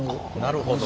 なるほど。